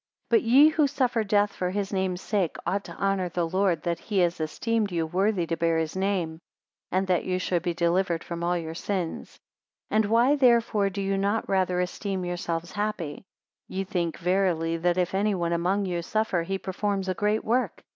239 But ye who suffer death for his name sake, ought to honour the Lord, that he has esteemed you worthy to bear his name; and that you should be delivered from all your sins. 240 And why therefore do you not rather esteem yourselves happy? Ye think verily that if any one among you suffer, he performs a great work!